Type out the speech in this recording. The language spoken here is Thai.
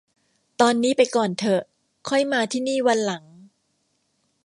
ตอนนี้ไปก่อนเถอะ ค่อยมาที่นี่วันหลัง